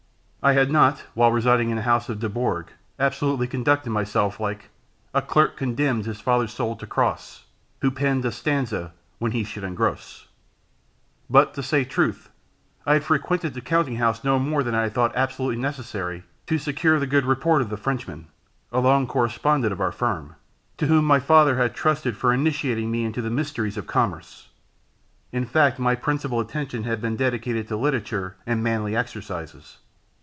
I had not, while residing in the house of Dubourg, absolutely conducted myself like A clerk condemn'd his father's soul to cross, Who penn'd a stanza when he should engross; but, to say truth, I had frequented the counting house no more than I had thought absolutely necessary to secure the good report of the Frenchman, long a correspondent of our firm, to whom my father had trusted for initiating me into the mysteries of commerce. In fact, my principal attention had been dedicated to literature and manly exercises.